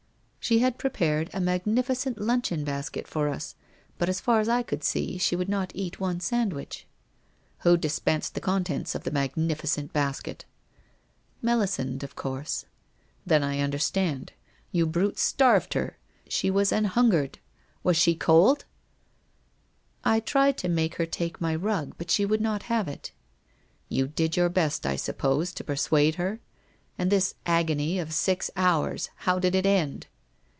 ' She had prepared a magnificent luncheon basket for us, but as far as I could see, she would not eat one sand wich/ 1 Who dispensed the contents of the magnificent bas ket?' ' Melisande, of course.' ' Then I understand. You brutes starved her ; she was an hungered — was she cold ?'' I tried to make her take my rug, but she would not have it.' ' You did your best, I suppose, to persuade her ? And this agony of six hours — how did it end?'